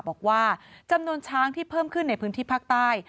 บอกว่าจำนวนช้างที่เพิ่มขึ้นในพื้นที่ภาคใต้